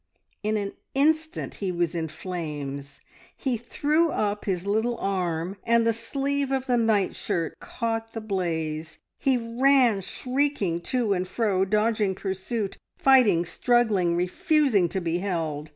In an instant he was in flames; he threw up his little arm and the sleeve of the nightshirt caught the blaze; he ran shrieking to and fro, dodging pursuit, fighting, struggling, refusing to be held.